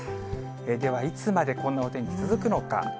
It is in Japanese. ではいつまでこんなお天気続くのか。